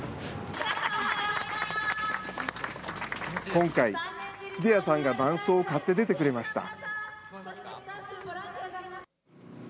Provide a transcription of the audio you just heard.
今回、秀哉さんが伴走を買って出てくれました。